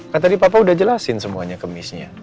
kan tadi papa udah jelasin semuanya ke missnya